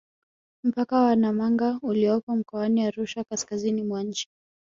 Mpaka wa Namanga uliopo mkoani Arusha kaskazini mwa nchi